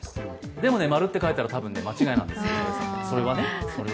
でもね、○って書いたら多分間違いなんです、それはね。